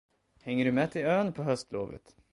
Hänger du med till ön på höstlovet?